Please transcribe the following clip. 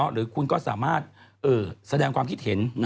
หรือคุณก็สามารถแสดงความคิดเห็น